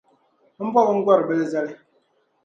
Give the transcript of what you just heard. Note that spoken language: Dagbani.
N bɔbi n garo bila zali.